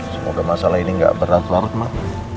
semoga masalah ini gak bertatuh tatuh mak